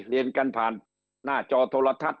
เรียนกันผ่านหน้าจอโทรทัศน